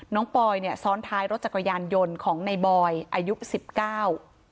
ปอยเนี่ยซ้อนท้ายรถจักรยานยนต์ของในบอยอายุสิบเก้า